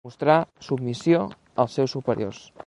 Mostrar submissió als seus superiors.